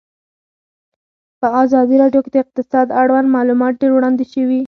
په ازادي راډیو کې د اقتصاد اړوند معلومات ډېر وړاندې شوي.